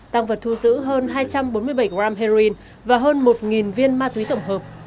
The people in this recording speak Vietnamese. tăng vật thu giữ hơn hai trăm bốn mươi bảy gram heroin và hơn một viên ma túy tổng hợp